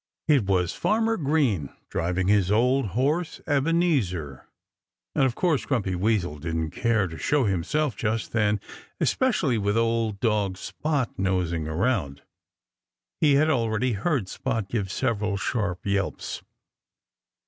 It was Farmer Brown, driving his old horse Ebenezer. And of course Grumpy Weasel didn't care to show himself just then, especially with old dog Spot nosing around. He had already heard Spot give several sharp yelps.